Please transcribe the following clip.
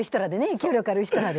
影響力ある人らで。